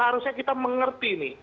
seharusnya kita mengerti nih